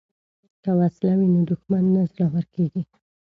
که وسله وي نو دښمن نه زړور کیږي.